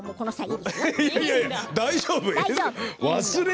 大丈夫？